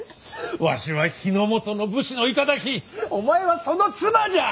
わしは日本の武士の頂お前はその妻じゃ！